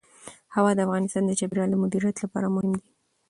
هوا د افغانستان د چاپیریال د مدیریت لپاره مهم دي.